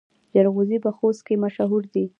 جلغوزي په خوست کې مشهور دي